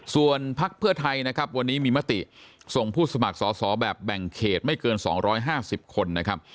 ส่วนพักเพื่อไทยนะครับวันนี้มีมติส่งผู้สมัครสอสอแบบแบ่งเขตไม่เกิน๒๕๐คนนะครับ